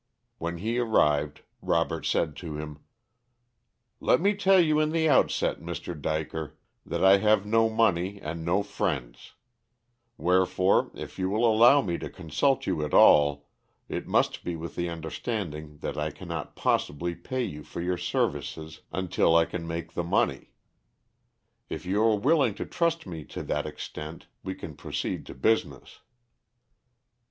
When he arrived Robert said to him: "Let me tell you in the outset, Mr. Dyker, that I have no money and no friends; wherefore if you allow me to consult you at all, it must be with the understanding that I cannot possibly pay you for your services until I can make the money. If you are willing to trust me to that extent, we can proceed to business."